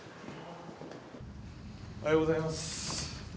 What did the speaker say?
おはようございます。